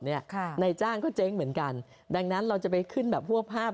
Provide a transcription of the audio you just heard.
นายจ้างก็เจ๊งเหมือนกันดังนั้นเราจะไปขึ้นแบบหัวภาพ